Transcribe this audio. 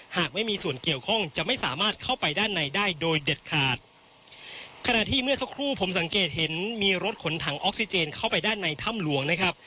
หากไม่มีส่วนเกี่ยวข้องจะไม่สามารถเข้าไปด้านในได้โดยเด็ดขาดขณะที่เมื่อสักครู่ผมสังเกตเห็นมีรถขนถังออกซิเจนเข้าไปด้านในถ้ำหลวงนะครับ